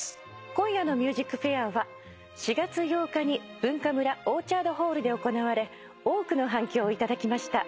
今夜の『ＭＵＳＩＣＦＡＩＲ』は４月８日にＢｕｎｋａｍｕｒａオーチャードホールで行われ多くの反響を頂きました